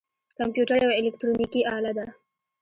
کمپیوټر یوه الکترونیکی آله ده